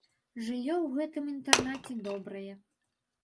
Жыллё ў гэтым інтэрнаце добрае.